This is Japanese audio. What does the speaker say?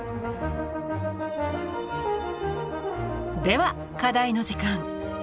では課題の時間。